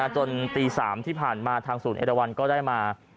จนตี๓ที่ผ่านมาทางศูนย์เอราวันก็ได้มา